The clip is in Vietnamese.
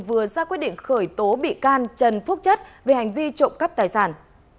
vừa ra quyết định khởi tố bị can trần phúc chất về hành vi trộm cắp tài sản